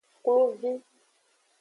Kluvi.